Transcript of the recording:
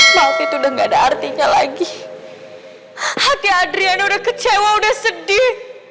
maaf itu udah nggak ada artinya lagi hati adrian udah kecewa udah sedih